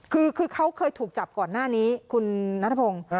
คือเขาเคยถูกจับก่อนหน้านี้คุณนัทพงศ์